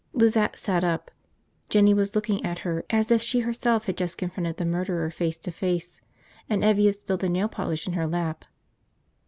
Lizette sat up. Jinny was looking as if she herself had just confronted the murderer face to face, and Evvie had spilled the nail polish in her lap.